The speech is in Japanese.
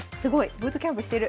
ブートキャンプしてる。